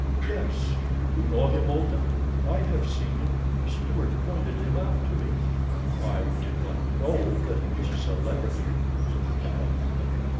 "Yes. Do you know him, Olga?" "I have seen him. A steward pointed him out to me." "I did not know that he was a celebrity," said the count.